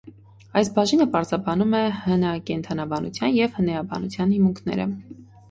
Այս բաժինը պարզաբանում է հնակենդանաբանության և հնէաբանության հիմունքները։